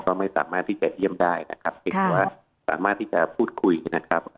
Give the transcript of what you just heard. ก็ไม่สามารถที่จะเยี่ยมได้นะครับเพียงแต่ว่าสามารถที่จะพูดคุยนะครับ